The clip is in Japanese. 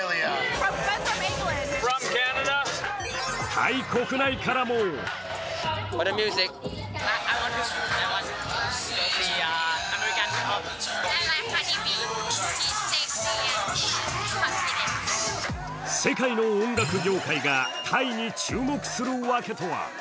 タイ国内からも世界の音楽業界がタイに注目する訳とは。